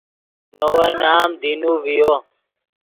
نے ون نام دینو ڤیو